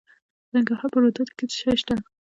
د ننګرهار په روداتو کې څه شی شته؟